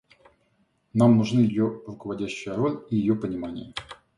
Нам нужны ее руководящая роль и ее понимание.